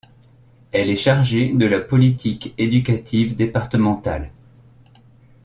Elle est chargée de la politique éducative départemental.